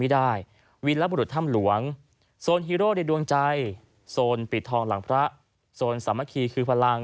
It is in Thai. ไม่ได้วิลัตุบุรุษถ้ำหลวงโซนฮิโร่ใดดวงใจโซนปลิดทองหลังพระโซนสามารถขี่คือพลัง